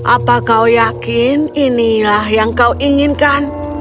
apa kau yakin inilah yang kau inginkan